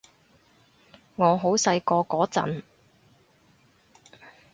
我好細個嗰陣